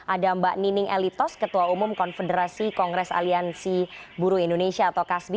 ada mbak nining elitos ketua umum konfederasi kongres aliansi buruh indonesia atau kasbi